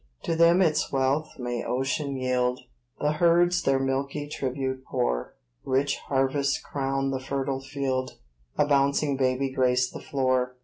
To them its wealth may ocean yield, The herds their milky tribute pour; Rich harvests crown the fertile field, A bouncing baby grace the floor.